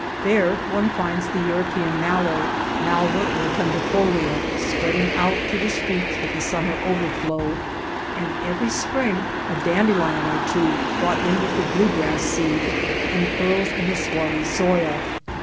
There one finds the European mallow {Malva rotundifolia) spreading out to the streets with the summer overflow, and every spring a dandelion or two, brought in with the blue grass seed, uncurls in the swardy soil.